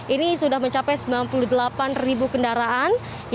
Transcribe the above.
ini sudah mencapai sembilan puluh delapan ribu kendaraan